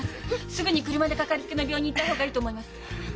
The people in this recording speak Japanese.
すぐに車で掛かりつけの病院に行った方がいいと思います。